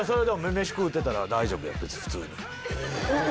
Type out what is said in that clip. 飯食うてたら大丈夫や普通に。